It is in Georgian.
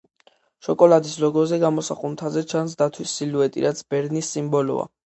შოკოლადის ლოგოზე გამოსახულ მთაზე ჩანს დათვის სილუეტი, რაც ბერნის სიმბოლოა.